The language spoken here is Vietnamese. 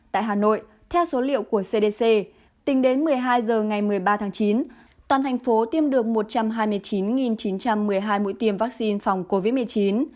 tại hà nội theo số liệu của cdc tính đến một mươi hai h ngày một mươi ba tháng chín toàn thành phố tiêm được một trăm hai mươi chín chín trăm một mươi hai mũi tiêm vaccine phòng covid một mươi chín